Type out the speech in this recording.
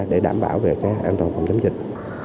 để đảm bảo về an toàn phòng chống dịch